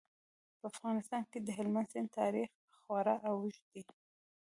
په افغانستان کې د هلمند سیند تاریخ خورا اوږد دی.